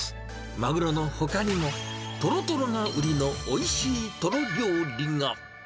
マグロのほかにも、とろとろが売りのおいしいトロ料理が。